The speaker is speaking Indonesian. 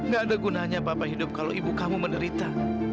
gak ada gunanya apa apa hidup kalau ibu kamu menderita